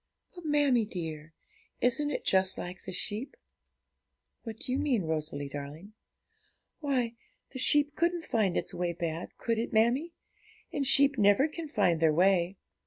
'But, mammie dear, isn't it just like the sheep?' 'What do you mean, Rosalie darling?' 'Why, the sheep couldn't find its way back, could it, mammie? sheep never can find their way.